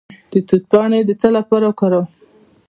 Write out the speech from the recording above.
د توت پاڼې د څه لپاره وکاروم؟